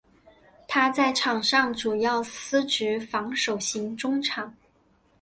他在场上主要司职防守型中场。